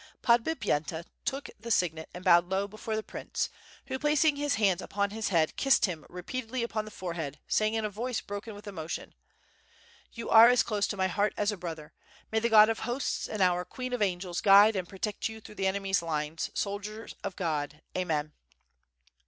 Podbipyenta took the signet and bowed low before the prince, who, placing his hands upon his head, kissed him repeatedly upon the forehead, saying in a voice broken with emotion: 7^6 ^^^^^^^^^^^ fi^WOiJi). "You are s& close to my heart as a brother. May the God of Hosts and our Queen of Angels guide and protect you through the enemy's lines, soldier of God, Amen."